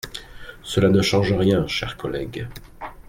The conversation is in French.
Cela ne change rien, cher collègue.